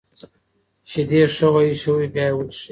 شیدې ښه وایشوئ بیا یې وڅښئ.